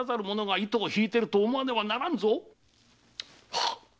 はっ。